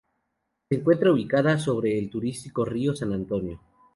Se encuentra ubicada sobre el turístico Río San Antonio.